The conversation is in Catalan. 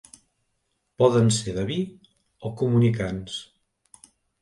Poden ser de vi o comunicants.